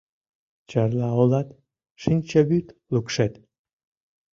Чарла олат — шинчавӱд лукшет